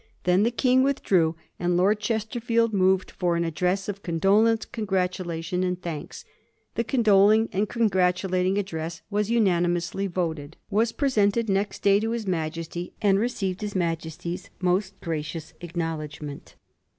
Then the King with drew, and Lord Chesterfield moved for ' an address of condolence, congratulation, and thanks.' The con doling and congratulating address was unanimously voted, was presented next day to his Majesty, and received his Majesty's most gracious acknowledg ment.